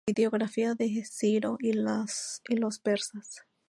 Videografía de Ciro y los Persas.